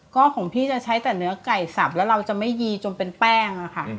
ก็ของพี่จะใช้แต่เนื้อไก่สับแล้วเราจะไม่ยีจนเป็นแป้งอะค่ะ